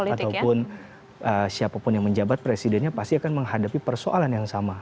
ataupun siapapun yang menjabat presidennya pasti akan menghadapi persoalan yang sama